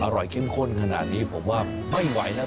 อร่อยเข้มข้นขนาดนี้ผมว่าไม่ไหวนะ